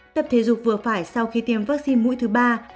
tập thể dục vừa phải sau khi tiêm vaccine mũi thứ ba không gây hại